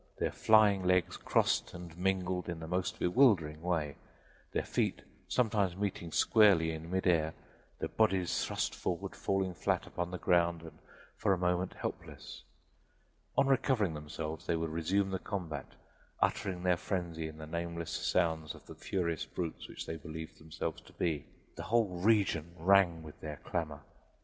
Their flying legs crossed and mingled in the most bewildering way; their feet sometimes meeting squarely in midair, their bodies thrust forward, falling flat upon the ground and for a moment helpless. On recovering themselves they would resume the combat, uttering their frenzy in the nameless sounds of the furious brutes which they believed themselves to be the whole region rang with their clamor!